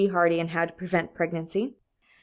Hardy in How to Prevent Pregnancy.